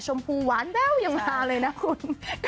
ชมพูหวานแววยังฮาเลยนะคุณ